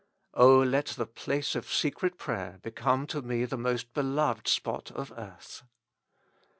O let the place of secret prayer become to me the most beloved spot of earth.